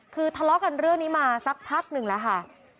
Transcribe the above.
คือทะเลาะกันเรื่องนี้มาสักพักหนึ่งแล้วค่ะ